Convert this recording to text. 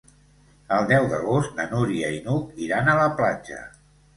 El deu d'agost na Núria i n'Hug iran a la platja.